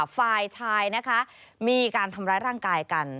ฝ่ายชายนะคะมีการทำร้ายร่างกายกัน